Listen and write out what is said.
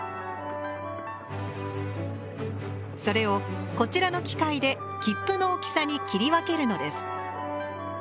それをこちらの機械で切符の大きさに切り分けるのです。